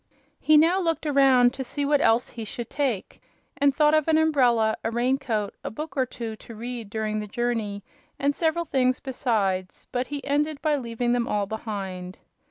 He now looked around to see what else he should take, and thought of an umbrella, a rain coat, a book or two to read during the journey, and several things besides; but he ended by leaving them all behind.